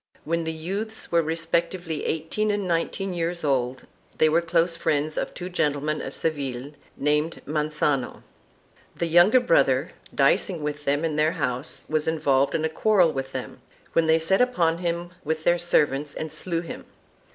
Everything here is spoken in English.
When the youths were re spectively eighteen and nineteen years old they were close friends of two gentlemen of Seville named Mangano. The younger brother, dicing with them in their house, was involved in a quarrel with them, when they set upon him with their servants and slew him.